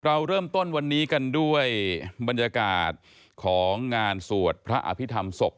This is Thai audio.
เราเริ่มต้นวันนี้กันด้วยบรรยากาศของงานสวดพระอภิษฐรรมศพ